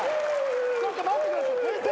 ちょっと待ってください先生。